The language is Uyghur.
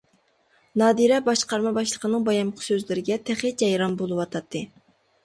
نادىرە باشقارما باشلىقىنىڭ بايامقى سۆزلىرىگە تېخىچە ھەيران بولۇۋاتاتتى.